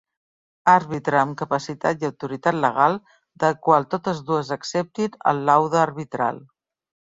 Àrbitre amb capacitat i autoritat legal, del qual totes dues acceptin el laude arbitral.